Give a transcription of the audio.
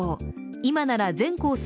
今なら全コース